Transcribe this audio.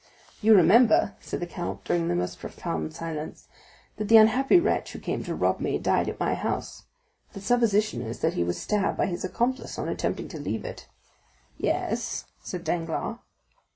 "You remember," said the count, during the most profound silence, "that the unhappy wretch who came to rob me died at my house; the supposition is that he was stabbed by his accomplice, on attempting to leave it." "Yes," said Danglars.